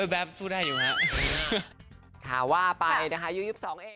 ผมแบบสู้ได้อยู่ครับ